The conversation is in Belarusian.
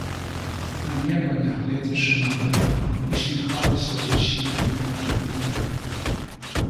А неба, нягледзячы на гэта, усміхалася зусім па-новаму.